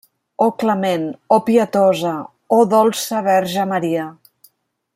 Oh clement, Oh pietosa, Oh dolça Verge Maria.